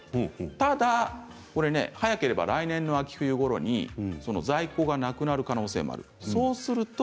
ただ早ければ来年の秋、冬ごろに在庫がなくなる可能性があるそうすると。